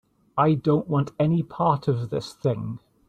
I don't want any part of this thing.